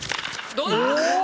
どうだ？